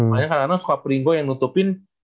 makanya kadang kadang suka pringgo yang nutupin